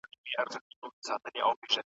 موږ به سبا په دي وخت کي په غونډه کي یو.